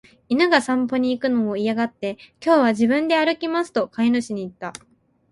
犬が散歩に行くのを嫌がって、「今日は自分で歩きます」と飼い主に言った。